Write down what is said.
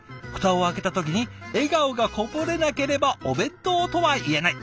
蓋を開けた時に笑顔がこぼれなければお弁当とは言えない」。